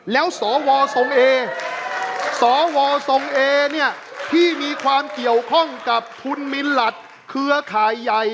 แล้วสวทรงแอที่มีความเกี่ยวข้องกับทุนมินตรศ์เครือขายใหญ่